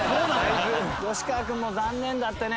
吉川君も残念だったね。